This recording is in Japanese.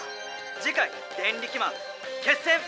「じかい『デンリキマン』『決戦』！